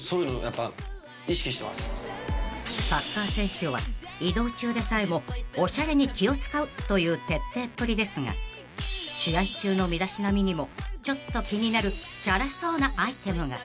［サッカー選手は移動中でさえもオシャレに気を使うという徹底っぷりですが試合中の身だしなみにもちょっと気になるチャラそうなアイテムが］